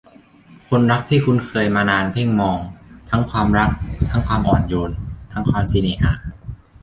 คนรักที่คุ้นเคยมานานเพ่งมอง ทั้งความรัก ทั้งความอ่อนโยน ทั้งความสิเน่หา